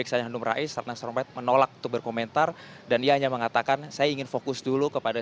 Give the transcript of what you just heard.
karena ratna sarongpahit menolak berkomentar dan dia hanya mengatakan saya ingin fokus dulu kepada